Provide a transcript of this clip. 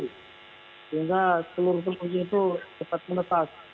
sehingga telur telur itu cepat menetas